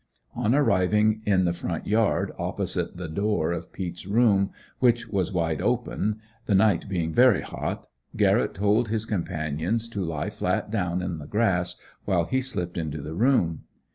On arriving in the front yard opposite the door of Peet's room, which was wide open, the night being very hot, Garrett told his companions to lie flat down in the grass while he slipped into the room.